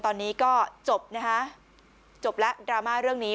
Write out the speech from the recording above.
ตอนนี้ก็จบนะคะจบแล้วดราม่าเรื่องนี้